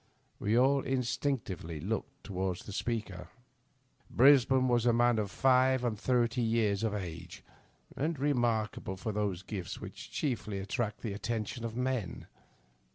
We all instinctively looked toward the speaker. Brisbane was a man of five and thirty years of age, and remarkable for those gifts which chiefly attract the attention of men.